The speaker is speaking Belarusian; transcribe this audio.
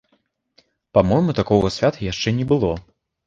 Па-мойму, такога свята яшчэ не было.